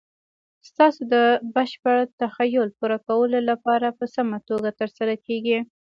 ستاسو د بشپړ تخیل پوره کولو لپاره په سمه توګه تر سره کیږي.